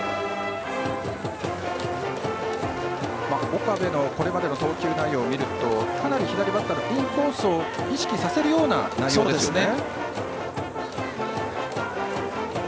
岡部のこれまでの投球内容を見るとかなり左バッターのインコースを意識させるようなそうですね。